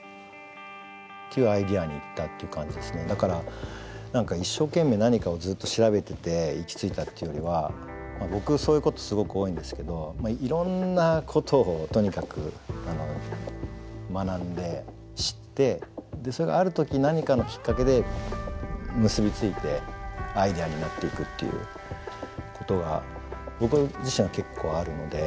だから一生懸命何かをずっと調べてて行き着いたっていうよりは僕そういうことすごく多いんですけどいろんなことをとにかく学んで知ってそれがある時何かのきっかけで結び付いてアイデアになっていくっていうことが僕自身は結構あるので。